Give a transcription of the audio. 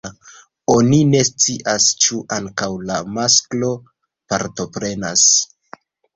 Oni ne scias ĉu ankaŭ la masklo partoprenas.